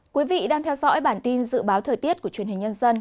quý vị đang theo dõi bản tin dự báo thời tiết của truyền hình nhân dân